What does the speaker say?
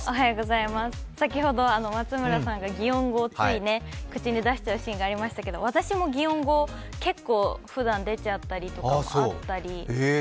先ほど松村さんが擬音語をつい口に出しちゃうシーンがありましたが、私も擬音語、結構ふだん出ちゃったりとかがあったり。